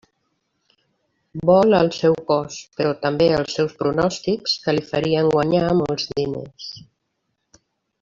Vol el seu cos, però també els seus pronòstics que li farien guanyar molts diners!